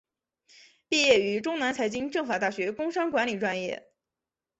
毕业于中南财经政法大学工商管理专业。